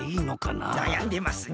なやんでますね。